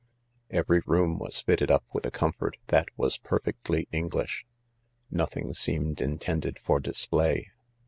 Every room was fitted up with a comfort that was perfectly English, Nothing seemed intended for display.